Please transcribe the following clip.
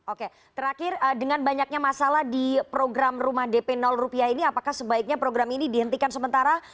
oke terakhir dengan banyaknya masalah di program rumah dp rupiah ini apakah sebaiknya program ini dihentikan sementara